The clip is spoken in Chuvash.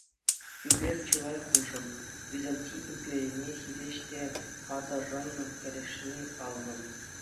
Кӳпер чылай хушӑ Византи империне хирӗҫ те паттӑррӑн кӗрешни паллӑ.